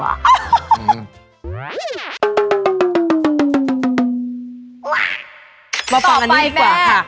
มาต่อไปก่อนค่ะ